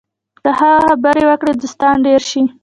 که ښه خبرې وکړې، دوستان ډېر شي